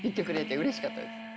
うれしかったです。